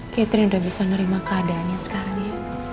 catherine udah bisa nerima keadaannya sekarang ya